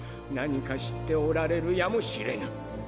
何か知っておられるやも知れぬ。